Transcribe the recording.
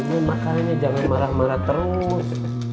ini makanannya jangan marah marah terus